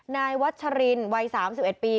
นายวัชรินวัย๓๑ปี